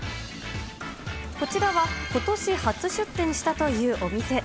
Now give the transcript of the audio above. こちらは、ことし初出店したというお店。